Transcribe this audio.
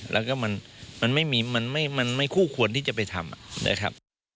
แล้วก็มันไม่คู่ควรที่จะไปทำ